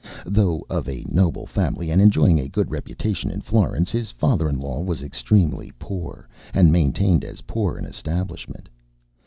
Though of a noble family and enjoying a good reputation in Florence, his father in law was extremely poor, and maintained as poor an establishment.